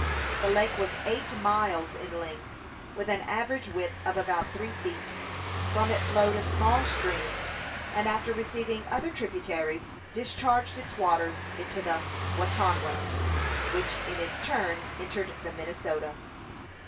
The lake was eight miles in length, with an average width of about three miles. From it flowed a small stream, and after receiving other tributaries, discharged its waters into the Watonwan, which in its turn entered the Minnesota.